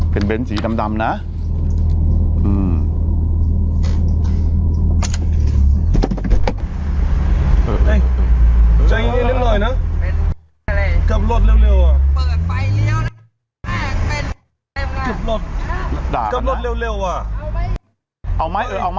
เป็นเบนท์สีดำนะอืม